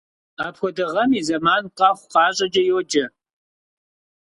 Апхуэдэ гъэм и зэман къэхъу-къащӀэкӀэ йоджэ.